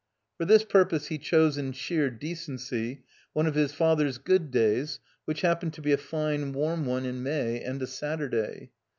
For this purpose he chose, in sheer decency, one of his father's good days which happened to be a fine, warm one in May and a Sattu day.